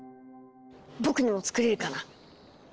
僕にも作れるかな。